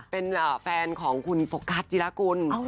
เป็นแฟนของคุณโฟกัสจิรากุล